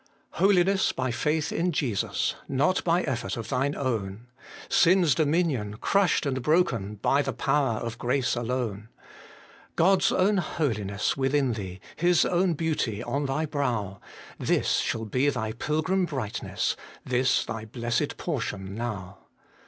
Holiness by faith in Jesus, not by effort of thine own, Sin's dominion crushed and broken by the power of grace alone, God's own holiness within thee, His own beauty on thy brow, This shall be thy pilgrim brightness, this thy blessed portion now.